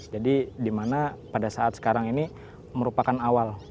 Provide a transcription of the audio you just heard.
jadi di mana pada saat sekarang ini merupakan awal